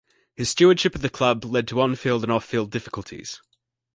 His stewardship of the club led to on-field and off-field difficulties.